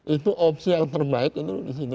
itu opsi yang terbaik itu